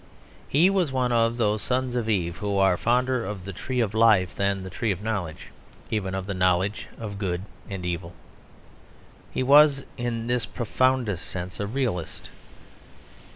He was one of those sons of Eve who are fonder of the Tree of Life than of the Tree of Knowledge even of the knowledge of good and of evil. He was in this profoundest sense a realist.